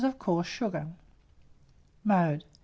of coarse sugar. Mode.